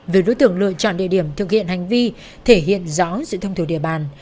vì đối tượng lựa chọn địa điểm thực hiện hành vi thể hiện rõ sự thông thủ địa bàn